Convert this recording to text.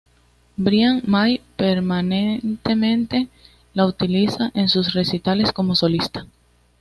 Brian May permanentemente la utiliza en sus recitales como solista.